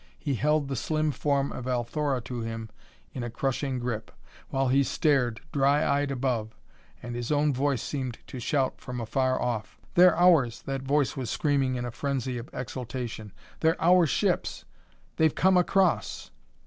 He held the slim form of Althora to him in a crushing grip, while he stared, dry eyed, above, and his own voice seemed to shout from afar off: "They're ours!" that voice was screaming in a frenzy of exultation. "They're our ships! They've come across!"